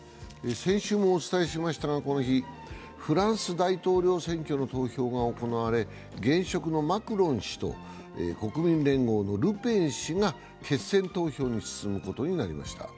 先週もお伝えしましたが、この日、フランス大統領選挙の投票が行われ現職のマクロン氏と国民連合のルペン氏が決選投票に進むことになりました。